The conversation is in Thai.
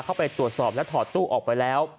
เข้าไปตรวจสอบและถอดตู้ออกไปแล้ว